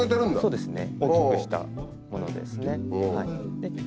そうですね。